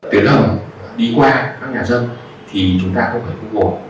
tiến hầm đi qua các nhà dân thì chúng ta không phải vui buồn